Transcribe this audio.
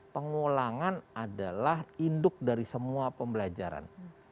pengulangan adalah induk dari semua pembelajaran